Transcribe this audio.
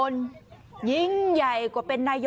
นั่งนั่งนั่ง